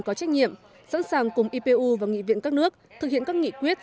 có trách nhiệm sẵn sàng cùng ipu và nghị viện các nước thực hiện các nghị quyết